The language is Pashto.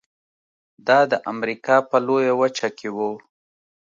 دا د امریکا په لویه وچه کې و.